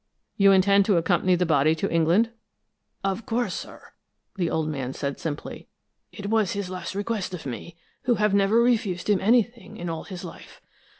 You intend to accompany the body to England?" "Of course, sir," the old man said simply. "It was his last request of me, who have never refused him anything in all his life.